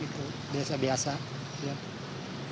terima kasih pak asep suherman